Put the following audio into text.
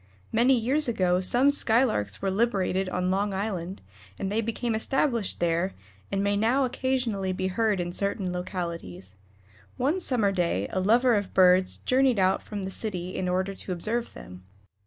Many years ago some Skylarks were liberated on Long Island, and they became established there, and may now occasionally be heard in certain localities. One summer day a lover of birds journeyed out from the city in order to observe them.